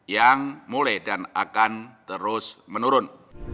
yang mulai dan akan terus menurun